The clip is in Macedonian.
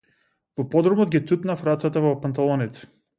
Во подрумот ги тутнав рацете во панталоните.